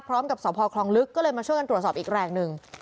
พร้อมกับสพคลองลึกก็เลยมาช่วยกันตรวจสอบอีกแรงหนึ่ง